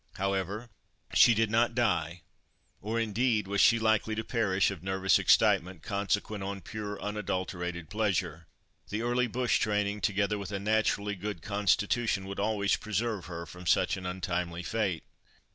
However, she did not die, or indeed was she likely to perish of nervous excitement consequent on pure, unadulterated pleasure; the early bush training, together with a naturally good constitution, would always preserve her from such an untimely fate.